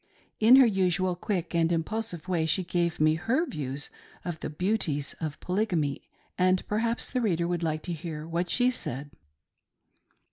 In her usual quick and impulsive way she gave me her v'lsvfs of the "beauties" of Polygamy, and perhaps the reader would like to hear what she said.